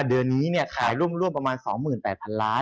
เดือนนี้ขายร่วมประมาณ๒๘๐๐๐ล้าน